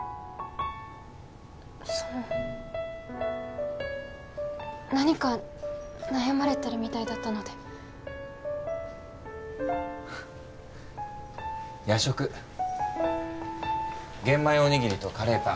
その何か悩まれてるみたいだったので夜食玄米おにぎりとカレーパン